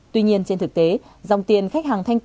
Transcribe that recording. tuy nhiên trên thực tế dòng tiền khách hàng thanh toán